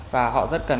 và họ rất cần